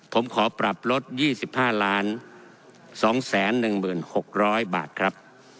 ผมขอปรับลด๒๕๒๑๖๐๐บาทครับ